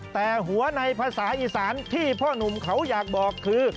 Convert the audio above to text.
แต่หัวในภาษาอีสานที่พ่อหนุ่มเขาอยากบอกคือ